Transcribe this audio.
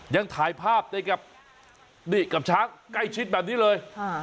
ยังถ่ายภาพได้กับนี่กับช้างใกล้ชิดแบบนี้เลย